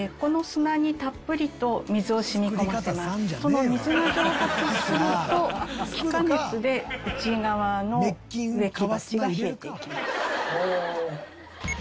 この水が蒸発すると気化熱で内側の植木鉢が冷えていきます。